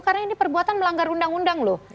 karena ini perbuatan melanggar undang undang loh